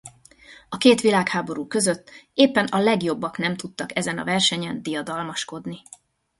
A két világháború között éppen a legjobbak nem tudtak ezen a versenyen diadalmaskodni.